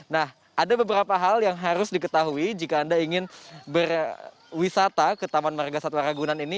nah ada beberapa hal yang harus diketahui jika anda ingin berwisata ke taman marga satwa ragunan ini